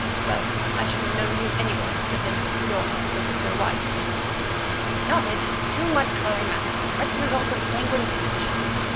Well, I should have known you anywhere; but then your hair doesn't go white." "Not it; too much colouring matter; direct result of a sanguine disposition.